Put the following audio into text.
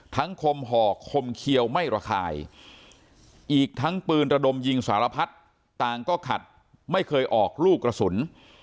คมห่อคมเขียวไม่ระคายอีกทั้งปืนระดมยิงสารพัดต่างก็ขัดไม่เคยออกลูกกระสุน